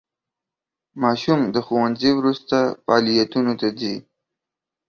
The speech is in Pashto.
ماشوم د ښوونځي وروسته فعالیتونو ته ځي.